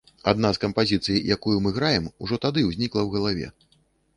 Адна з кампазіцый, якую мы граем, ужо тады ўзнікла ў галаве.